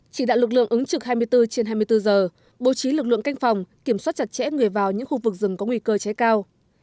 chỉ đạo lực lượng ứng trực hai mươi bốn trên hai mươi bốn giờ bố trí lực lượng canh phòng kiểm soát chặt chẽ người vào những khu vực rừng có nguy cơ cháy cao